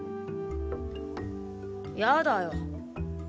やだよ。